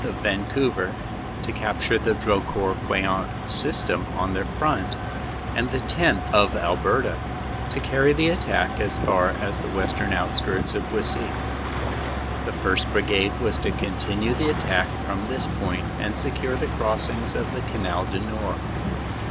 of Vancouver, to capture the Drocourt Queant system on their front, and the 10th., of Alberta, to carry the attack as far as the western outskirts of Buissy. The 1st. Brigade was to continue the attack from this point and secure the crossings of the Canal du Nord.